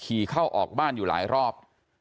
เข้าออกบ้านอยู่หลายรอบ